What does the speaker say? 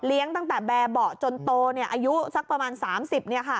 เลี้ยงตั้งแต่แบบ่อจนโตอายุซักประมาณ๓๐เนี่ยค่ะ